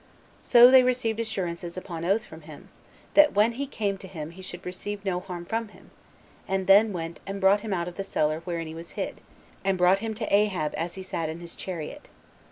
So they received assurances upon oath from him, that when he came to him he should receive no harm from him, and then went and brought him out of the cellar wherein he was hid, and brought him to Ahab as he sat in his chariot.